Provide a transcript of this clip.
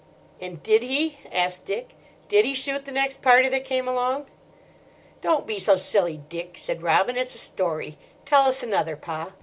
'" "And did he," asked Dick—"did he shoot the next party that came along?" "Don't be so silly, Dick," said Robin; "it's a story. Tell us another, Pa."